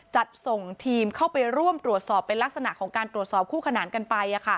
จัดส่งทีมเข้าไปร่วมตรวจสอบเป็นลักษณะของการตรวจสอบคู่ขนานกันไป